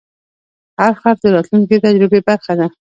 هر خرڅ د راتلونکي تجربې برخه ده.